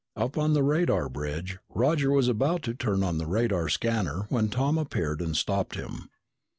Up on the radar bridge, Roger was about to turn on the radar scanner when Tom appeared and stopped him.